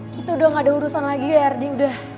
gitu udah gak ada urusan lagi ya ardi udah